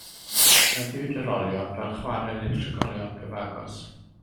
Defnyddiwyd yr olion fel chwarel i'r trigolion cyfagos.